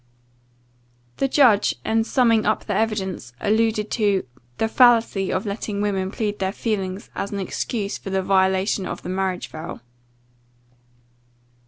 The judge, in summing up the evidence, alluded to "the fallacy of letting women plead their feelings, as an excuse for the violation of the marriage vow.